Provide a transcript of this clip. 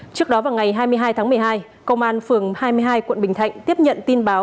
trước đó vào ngày hai mươi hai tháng một mươi hai công an phường hai mươi hai quận bình thạnh tiếp nhận tin báo